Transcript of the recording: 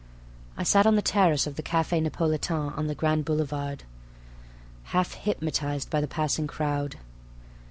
I sat on the terrace of the Cafe Napolitain on the Grand Boulevard, half hypnotized by the passing crowd.